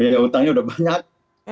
ya utangnya sudah banyak